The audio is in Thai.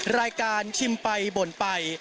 รายการชิมไปบ่นไป